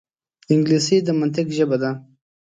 انګلیسي د منطق ژبه ده